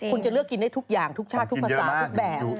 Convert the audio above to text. คุณจะเลือกกินได้ทุกอย่างทุกชาติทุกภาษาทุกแบบ